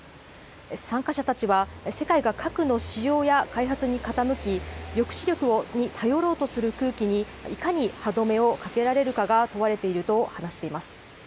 参加者たちは世界が核の使用や開発に傾き抑止力に頼ろうとする空気に、いかに歯止めをかけられるかが問われていると話しています。